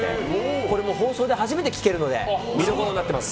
これも放送で初めて聴けるので見どころになってます。